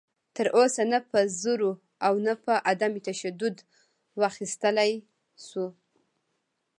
تر اوسه نه په زور او نه په عدم تشدد واخیستلی شو